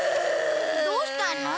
どうしたの？